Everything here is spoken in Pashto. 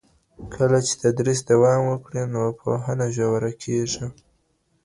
کله چې تدریس دوام وکړي نو پوهنه ژوره کیږي.